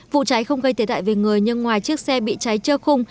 vụ cháy không gây thiệt hại về người nhưng ngoài chiếc xe bị cháy trơ khung